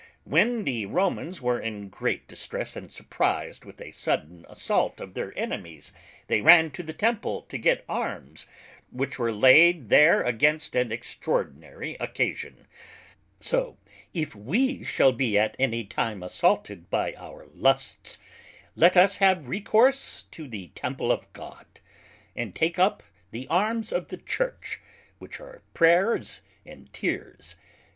When the Romans were in great distress, & surprized with a sudden assault of their Enemies, they ran to the Temple to get Arms, which were laid there against an extraordinary occasion: So, if we shall be at any time assaulted by our Lusts let us have recourse to the Temple of God, and take up the Arms of the Church, which are Prayers and Tears.